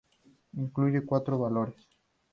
Incluye cuatro valores.